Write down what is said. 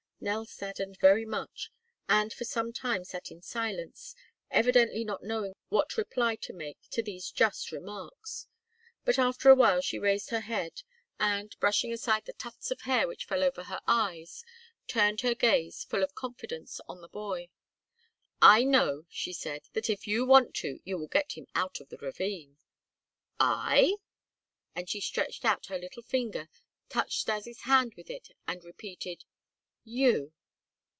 Nell saddened very much and for some time sat in silence, evidently not knowing what reply to make to these just remarks, but after a while she raised her head and, brushing aside the tufts of hair which fell over her eyes, turned her gaze, full of confidence, on the boy. "I know," she said, "that if you want to, you will get him out of the ravine." "I?" And she stretched out her little finger, touched Stas' hand with it, and repeated: "You."